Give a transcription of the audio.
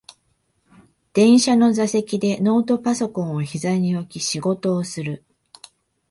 電車の座席でノートパソコンをひざに置き仕事をする